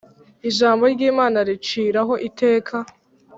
Ijambo ry Imana riciraho iteka